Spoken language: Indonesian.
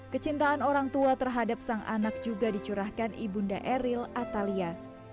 kecintaan orang tua terhadap sang anak juga dicurahkan ibu nda eril atalia